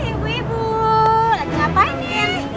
hei ibu ibu lagi ngapain nih